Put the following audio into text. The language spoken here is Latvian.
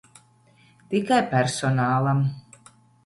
Tikai personālam.